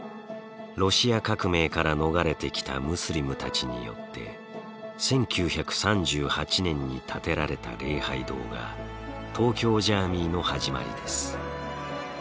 ロシア革命から逃れてきたムスリムたちによって１９３８年に建てられた礼拝堂が東京ジャーミイの始まりです。